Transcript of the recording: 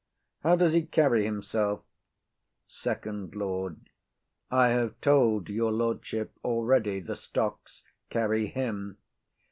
How does he carry himself? FIRST LORD. I have told your lordship already; the stocks carry him.